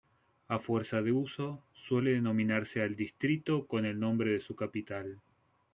A fuerza de uso, suele denominarse al distrito con el nombre de su capital.